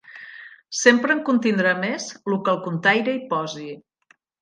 Sempre en contindrà més lo que el contaire hi posi.